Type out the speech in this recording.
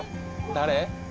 誰？